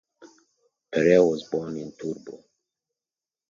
Perea was born in Turbo.